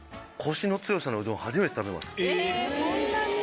えぇそんなに？